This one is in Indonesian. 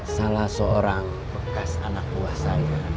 salah seorang bekas anak buah saya